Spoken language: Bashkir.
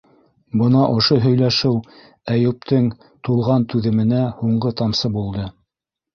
Бына ошо һөйләшеү Әйүптең тулған түҙеменә һуңғы тамсы булды.